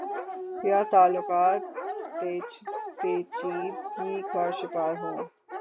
یا تعلقات پیچیدگی کا شکار ہوں۔۔